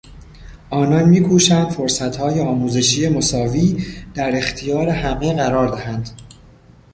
آنان می کوشند فرصتهای آموزشی مساوی در اختیار همه قرار دهند.